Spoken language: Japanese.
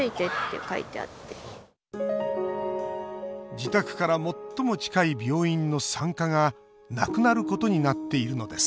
自宅から最も近い病院の産科がなくなることになっているのです